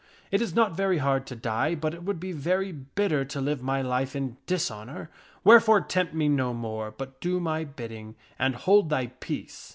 It is not very hard to die, but it would be very bitter to live my life in dishonor ; wherefore tempt me no more, but do my bidding and hold thy peace!